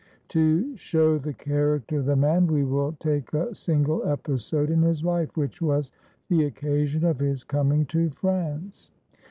To show the character of the man, we will take a single episode in his life, — which was the occasion of his coming to France.